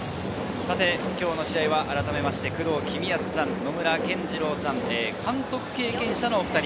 今日の試合は工藤公康さん、野村謙二郎さん、監督経験者のお２人。